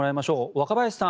若林さん